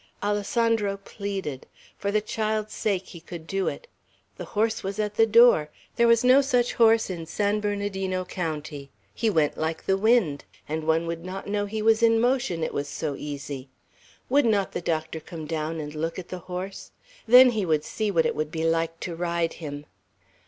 Alessandro pleaded. For the child's sake he could do it. The horse was at the door; there was no such horse in San Bernardino County; he went like the wind, and one would not know he was in motion, it was so easy. Would not the doctor come down and look at the horse? Then he would see what it would be like to ride him.